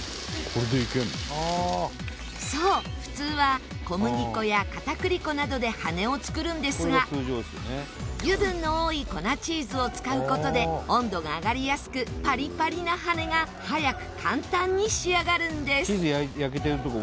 そう普通は小麦粉や片栗粉などで羽根を作るんですが油分の多い粉チーズを使う事で温度が上がりやすくパリパリな羽根が早く簡単に仕上がるんです。